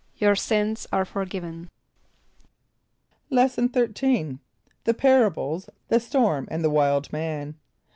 ="Your sins are forgiven."= Lesson XIII. The Parables, the Storm and the Wild Man.